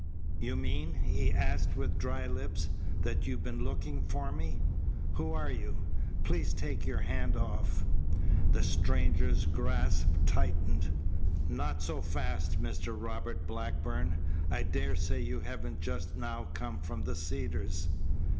"You mean," he asked with dry lips, "that you've been looking for me? Who are you? Please take your hand off." The stranger's grasp tightened. "Not so fast, Mr. Robert Blackburn. I daresay you haven't just now come from the Cedars?"